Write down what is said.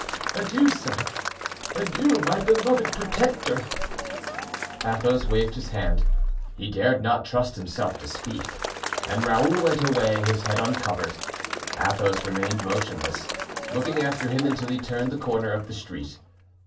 "Adieu, sir, adieu, my beloved protector." Athos waved his hand—he dared not trust himself to speak: and Raoul went away, his head uncovered. Athos remained motionless, looking after him until he turned the corner of the street.